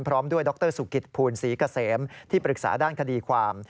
พร้อมด้วยดรสุกิตภูลศรีเกษมที่ปรึกษาด้านคดีความ